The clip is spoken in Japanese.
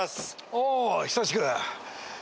おお久司君。